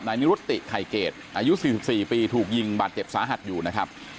นิรุติไข่เกตอายุ๔๔ปีถูกยิงบาดเจ็บสาหัสอยู่นะครับ